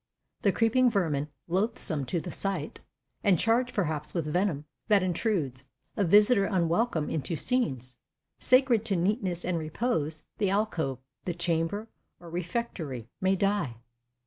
The creeping vermin, loathsome to the sight, And charged perhaps with venom, that intrudes A visitor unwelcome into scenes Sacred to neatness and repose, the alcove, The chamber, or refectory, may die.